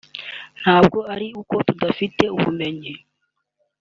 ntabwo ari uko tudafite ubumenyi